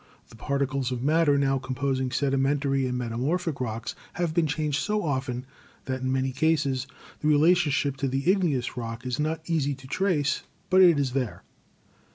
The particles of matter now composing sedi mentary and metamorphic rocks have been changed so often that in many cases the relationship to the igneous rock is not easy to trace, but it is there.